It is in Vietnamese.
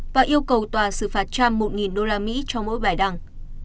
và yêu cầu tòa xử phạt cham một usd cho mỗi bài đăng